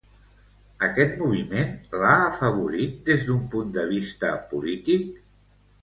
Aquest moviment l'ha afavorit des d'un punt de vista polític?